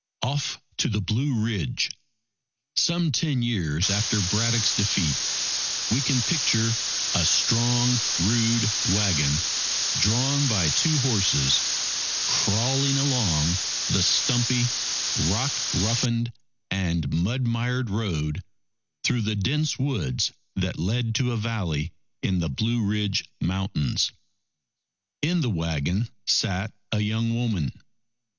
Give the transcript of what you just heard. Off to the Blue Ridge Some ten years after Braddock's defeat, we can picture a strong rude wagon drawn by two horses, crawling along the stumpy, rock roughened, and mud mired road through the dense woods that led to a valley in the Blue Ridge Mountains. In the wagon sat a young woman.